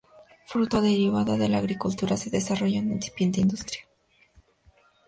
Fruto, o derivada, de la agricultura se desarrolla una incipiente industria.